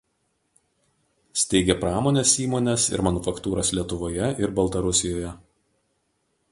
Steigė pramonės įmones ir manufaktūras Lietuvoje ir Baltarusijoje.